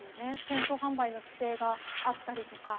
店頭販売の規制があったりとか。